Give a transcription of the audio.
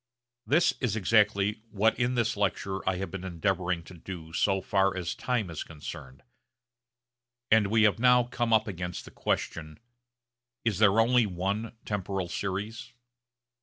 This is exactly what in this lecture I have been endeavouring to do so far as time is concerned; and we have now come up against the question, Is there only one temporal series?